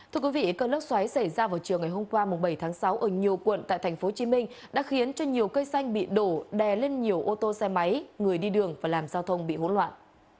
thưa quý vị cơn lốc xoáy xảy ra vào chiều ngày hôm qua bảy tháng sáu ở nhiều quận tại tp hcm đã khiến cho nhiều cây xanh bị đổ đè lên nhiều ô tô xe máy người đi đường và làm giao thông bị hỗn loạn